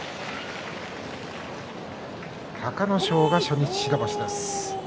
隆の勝が初日白星です。